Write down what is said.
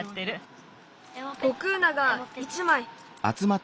５クーナが１まい。